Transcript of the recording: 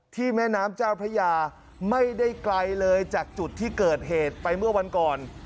แม่น้ำเจ้าพระยาไม่ได้ไกลเลยจากจุดที่เกิดเหตุไปเมื่อวันก่อน